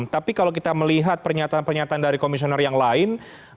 tapi kalau kita melihat pernyataan pernyataan dari komisioner yang lain